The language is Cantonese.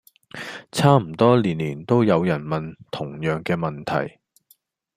差唔多年年都有人問同樣既問題